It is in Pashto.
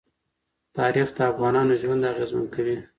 تاریخ د افغانانو ژوند اغېزمن کوي.